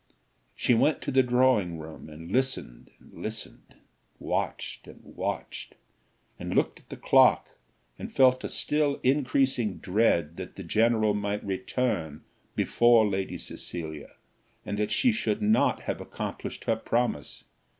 She went to the drawing room, and listened and listened, and watched and watched, and looked at the clock, and felt a still increasing dread that the general might return before Lady Cecilia, and that she should not have accomplished her promise.